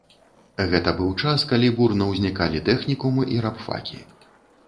Гэта быў час, калі бурна ўзнікалі тэхнікумы і рабфакі.